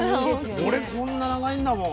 これこんな長いんだもん。